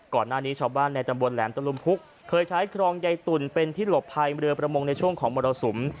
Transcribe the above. ก่อนหน้านี้ชาวบ้านในตำบลแหลมตะลุมพุกเคยใช้ครองใยตุ่นเป็นที่หลบภัยเรือประมงในช่วงของมรสุม